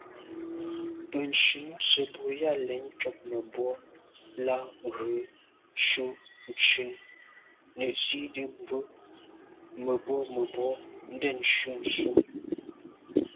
Bə̀nntʉ̌n tsə̀ bò yα̂ lɛ̌n ncob mə̀bwɔ lα ghʉ̌ cû ntʉ̀n nə̀ zi’tə bwə, mə̀bwɔ̂mə̀bwɔ ndɛ̂ncû nswə.